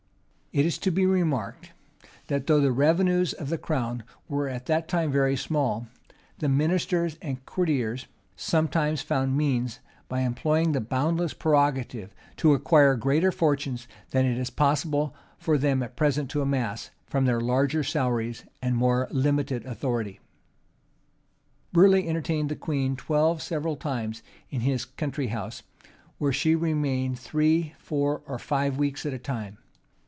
[v] It is to be remarked, that though the revenues of the crown were at that time very small, the ministers and courtiers sometimes found means, by employing the boundless prerogative, to acquire greater fortunes than it is possible for them at present to amass, from their larger salaries, and more limited authority. Burleigh entertained the queen twelve several times in his country house; where she remained three, four, or five weeks at a time.